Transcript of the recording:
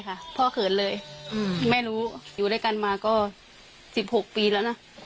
ทำไมพ่อทำมาถึงเลือกเกี่ยวอ่ะ